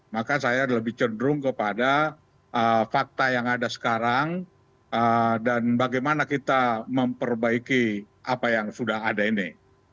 maka saya lebih cenderung kepada fakta yang ada sekarang dan bagaimana kita memperbaiki apa yang sudah ada ini